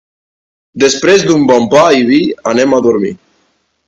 Després d'un bon pa i vi anem a dormir.